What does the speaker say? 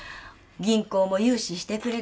銀行も融資してくれるはず